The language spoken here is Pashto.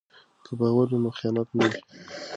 که باور وي نو خیانت نه وي.